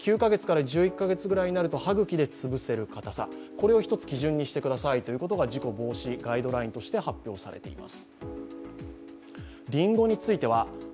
これを一つ基準にしてくださいということが、事故防止ガイドラインとして発表されています。